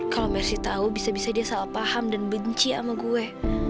kalau mersi tahu bisa bisa dia salah paham dan benci sama gue